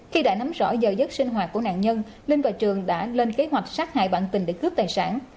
khi đã nắm rõ giờ dứt sinh hoạt của nạn nhân linh và trường đã lên kế hoạch sát hại bạn tình để cướp tài sản